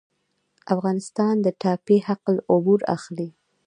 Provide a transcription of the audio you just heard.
افغانستان د ټاپي حق العبور اخلي